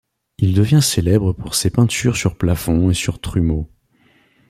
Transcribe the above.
Il devient célèbre pour ses peintures sur plafonds et sur trumeaux.